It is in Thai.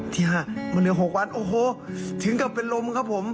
ที่๕มาเหลือ๖วันโอ้โหถึงกับเป็นลมครับผม